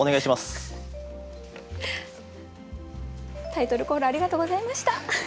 タイトルコールありがとうございました。